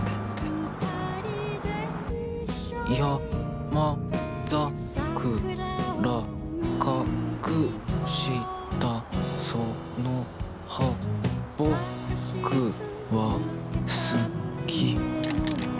やまざくらかくしたそのはぼくはすき。